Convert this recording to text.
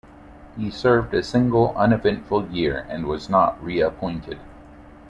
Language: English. He served a single uneventful year and was not reappointed.